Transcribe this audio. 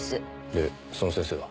でその先生は？